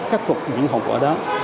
khắc phục những hậu quả đó